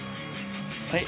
はい